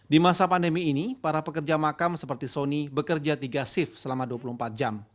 di masa pandemi ini para pekerja makam seperti sony bekerja tiga shift selama dua puluh empat jam